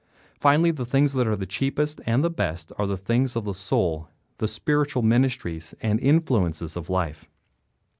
Finally, the things that are cheapest and best are the things of the soul, the spiritual ministries and influences of life.